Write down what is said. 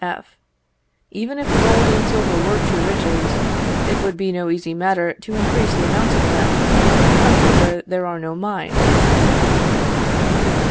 F. Even if gold and silver were true riches, it would be no easy matter to increase the amount of them in a country where there are no mines.